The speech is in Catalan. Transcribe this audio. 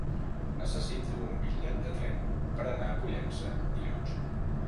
Necessito un bitllet de tren per anar a Pollença dilluns.